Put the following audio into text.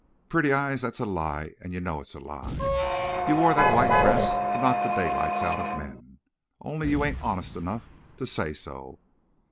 "Pretty Eyes, thet's a lie. An' you know it's a lie. You wore thet white dress to knock the daylights out of men. Only you ain't honest enough to say so....